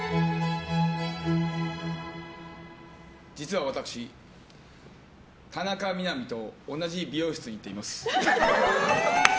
実は私、田中みな実と同じ美容室に行っています。